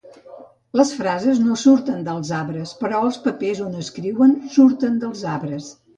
Les frases no surten dels arbres però els papers on escriuen surten dels arbres